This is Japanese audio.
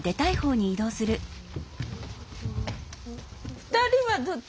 二人はどっち？